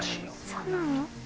そうなの？